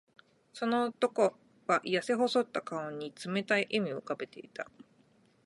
その男は、やせ細った顔に冷たい笑みを浮かべていた。